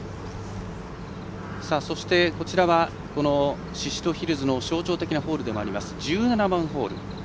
そして、こちらは宍戸ヒルズの象徴的なホールでもある１７番ホール。